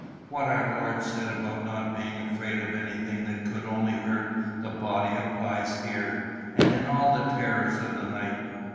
"What our Lord said about not being afraid of anything that could only hurt the body applies here, and in all the terrors of the night.